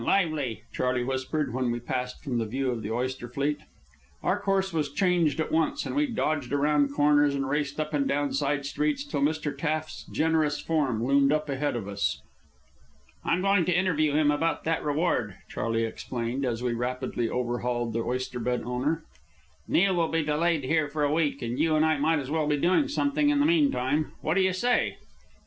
Lively!" Charley whispered, when we passed from the view of the oyster fleet. Our course was changed at once, and we dodged around corners and raced up and down side streets till Mr. Taft's generous form loomed up ahead of us. "I'm going to interview him about that reward," Charley explained, as we rapidly overhauled the oyster bed owner. "Neil will be delayed here for a week, and you and I might as well be doing something in the meantime. What do you say?"